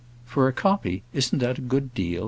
"For a copy, isn't that a good deal?"